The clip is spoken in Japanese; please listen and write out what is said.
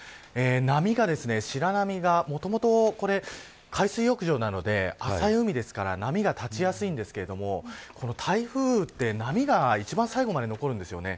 波が、白波がもともと、海水浴場なので浅い海ですから波が立ちやすいんですけどこの台風って波が一番最後まで残るんです。